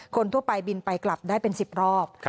คนทั่วไปบินไปกลับได้เป็น๑๐รอบ